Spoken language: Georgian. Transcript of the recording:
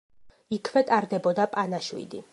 იქვე ტარდებოდა პანაშვიდი.